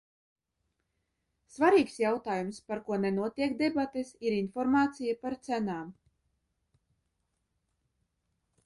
Svarīgs jautājums, par ko nenotiek debates, ir informācija par cenām.